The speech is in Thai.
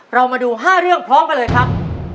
เรามาดู๕เรื่องพร้อมกันเลยครับ